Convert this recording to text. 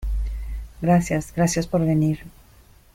gracias. gracias por venir .